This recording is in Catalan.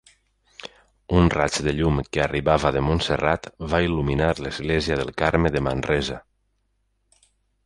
Un raig de llum que arribava de Montserrat va il·luminar l'església del Carme de Manresa.